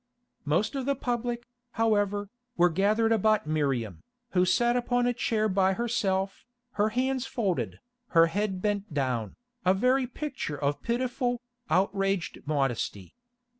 Most of the public, however, were gathered about Miriam, who sat upon a chair by herself, her hands folded, her head bent down, a very picture of pitiful, outraged modesty.